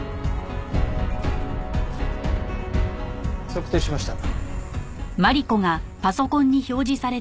測定しました。